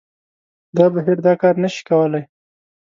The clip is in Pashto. دا بهیر دا کار نه شي کولای